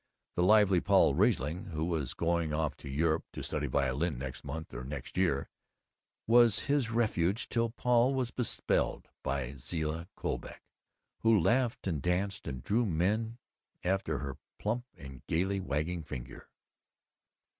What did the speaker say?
The lively Paul Riesling (who was certainly going off to Europe to study violin, next month or next year) was his refuge till Paul was bespelled by Zilla Colbeck, who laughed and danced and drew men after her plump and gaily wagging finger.